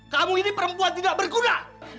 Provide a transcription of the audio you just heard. kamu ini perempuan tidak berguna